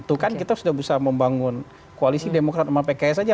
itu kan kita sudah bisa membangun koalisi demokrat sama pks saja